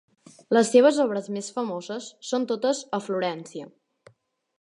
Les seves obres més famoses són totes a Florència.